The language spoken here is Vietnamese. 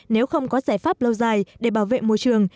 nếu không có giải pháp lâu dài để bảo vệ môi trường